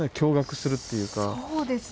そうですね。